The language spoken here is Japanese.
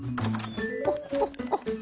ホッホッホッホッ。